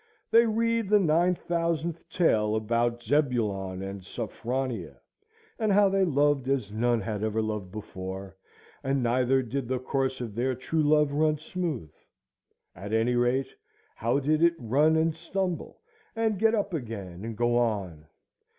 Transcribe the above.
They read the nine thousandth tale about Zebulon and Sephronia, and how they loved as none had ever loved before, and neither did the course of their true love run smooth,—at any rate, how it did run and stumble, and get up again and go on!